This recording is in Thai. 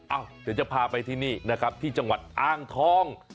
เดี๋ยวจะพาไปที่นี่นะครับที่จังหวัดอ้างทอง